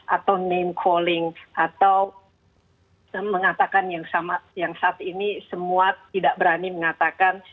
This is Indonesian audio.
atau name calling atau mengatakan yang saat ini semua tidak berani mengatakan